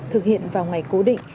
thực hiện vào ngày cố định